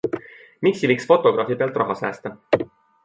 Miks ei võiks fotograafi pealt raha säästa?